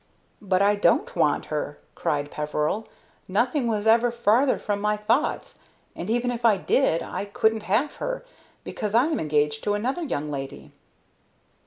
"But I don't want her!" cried Peveril. "Nothing was ever farther from my thoughts; and even if I did, I couldn't have her, because I am engaged to another young lady."